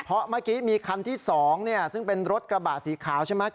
เพราะเมื่อกี้มีคันที่๒ซึ่งเป็นรถกระบะสีขาวใช่ไหม